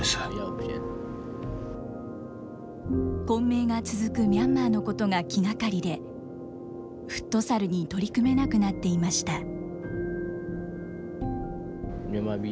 混迷が続くミャンマーのことが気がかりで、フットサルに取り組めなくなっていました。